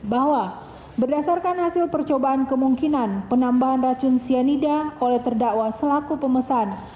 bahwa berdasarkan hasil percobaan kemungkinan penambahan racun cyanida oleh terdakwa selaku pemesan